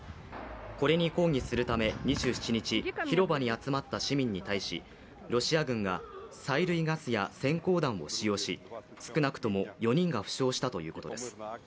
これに抗議するため２７日広場に集まった市民に対しロシア軍が催涙ガスやせん光弾を使用し少なくとも４人が負傷したということです。